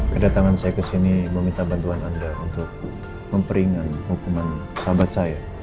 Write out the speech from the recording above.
kedatangan saya kesini meminta bantuan anda untuk memperingat hukuman sahabat saya